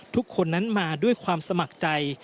ทุกคนนั้นมาด้วยความสมัครใจ